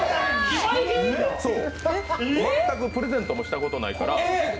全くプレゼントもしたことないから。